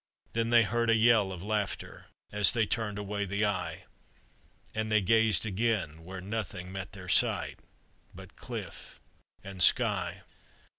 Then they heard a yell of laughter, As they turned away the eye; And they gazed again, where nothing Met their sight but cliff and sky.